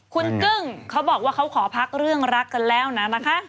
คุณกึ้งเขาบอกว่าเขาขอพักเรื่องรักกันแล้วนะนะคะ